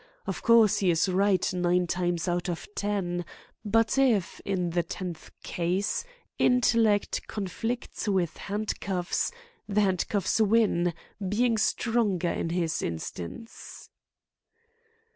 Of course, he is right nine times out of ten; but if, in the tenth case, intellect conflicts with handcuffs, the handcuffs win, being stronger in his instance."